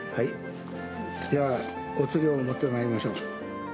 ではお釣りを持ってまいりましょう。